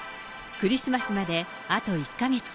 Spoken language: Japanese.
クリスマスまであと１か月。